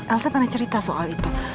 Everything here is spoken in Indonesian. elsa pernah cerita soal itu